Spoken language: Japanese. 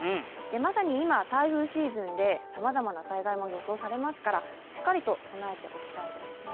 まさに今、台風シーズンでさまざまな災害も予想されますから、しっかりと備えておきたいですね。